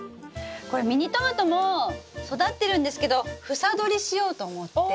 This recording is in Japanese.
これミニトマトも育ってるんですけど房どりしようと思って。